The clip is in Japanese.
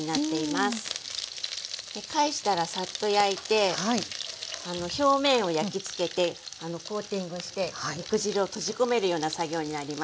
で返したらサッと焼いて表面を焼きつけてコーティングして肉汁を閉じ込めるような作業になります。